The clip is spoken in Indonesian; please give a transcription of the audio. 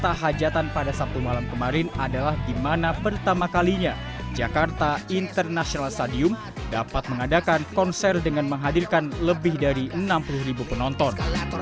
jakarta hajatan pada sabtu malam kemarin adalah di mana pertama kalinya jakarta international stadium dapat mengadakan konser dengan menghadirkan lebih dari enam puluh ribu penonton